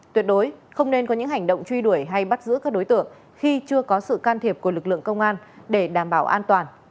tuyệt đối không nên có những hành động truy đuổi hay bắt giữ các đối tượng khi chưa có sự can thiệp của lực lượng công an để đảm bảo an toàn